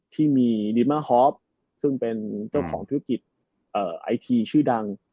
ที่มีดีมาฮอฟซึ่งเป็นเจ้าของธุรกิจไอทีชื่อดัง